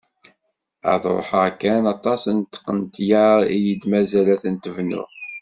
Ad ruḥeɣ kan, aṭas n tqenṭyar i yi-d-mazal ad tent-bnuɣ!